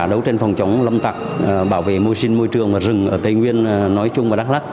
đấu tranh phòng chống lâm tặc bảo vệ môi sinh môi trường và rừng ở tây nguyên nói chung và đắk lắc